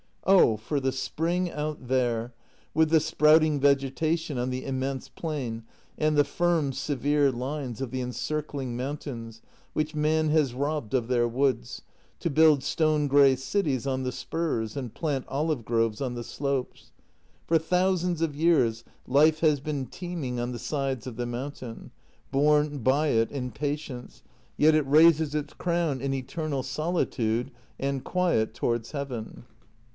Oh! for the spring out there, with the sprouting vegetation on the immense plain and the firm, severe lines of the encircling mountains, which , man has robbed of their woods, to build stone grey cities on the spurs and plant olive groves on the slopes. For thousands of years life has been teeming on the sides of the mountain, borne by it in patience, yet it raises its crown in eternal solitude and quiet towards heaven.